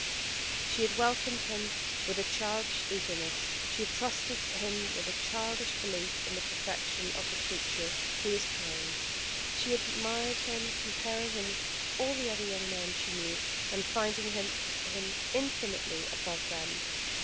She had welcomed him with a childish eagerness, she had trusted him with a childish belief in the perfection of the creature who is kind. She had admired him comparing him with all the other young men she knew, and finding him infinitely above them.